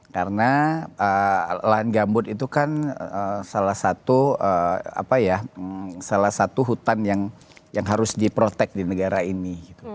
karena lahan gambut itu kan salah satu hutan yang harus di protect di negara ini